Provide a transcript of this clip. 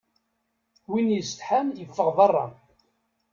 Win yessetḥan yeffeɣ berra.